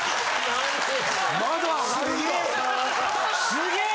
すげえ！